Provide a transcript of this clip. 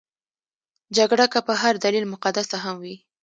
جګړه که په هر دلیل مقدسه هم وي.